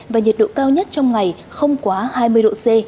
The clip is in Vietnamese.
và nhiệt độ cao nhất trong ngày không quá hai mươi độ c